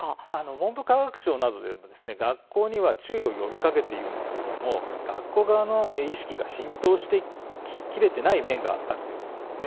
文部科学省などでは学校に注意を呼びかけていますが学校側の意識が浸透しきれていない面があるということです。